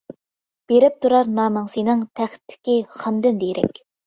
بېرىپ تۇرار نامىڭ سېنىڭ، تەختتىكى «خان» دىن دېرەك.